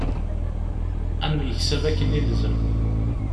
Ad nemyeksab akken ilzem.